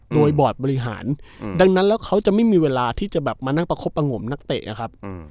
โดยบอร์ดบริหารดังนั้นแล้วเขาจะไม่มีเวลาที่จะแบบมานั่งประคบประงมนักเตะอะครับ